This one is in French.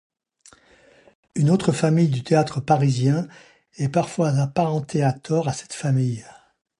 Une autre famille du théâtre parisien est parfois apparentée à tort à cette famille.